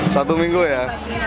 satu minggu ya